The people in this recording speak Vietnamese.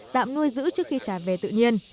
tạm nuôi giữ trước khi trả về tự nhiên